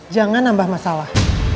jangan nambah masalah